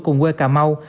cùng quê cà mau